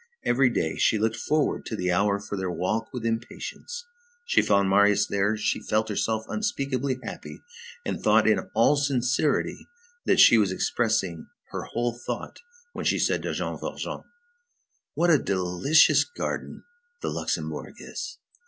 Every day, she looked forward to the hour for their walk with impatience, she found Marius there, she felt herself unspeakably happy, and thought in all sincerity that she was expressing her whole thought when she said to Jean Valjean:— "What a delicious garden that Luxembourg is!"